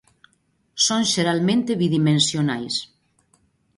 Son xeralmente bidimensionais.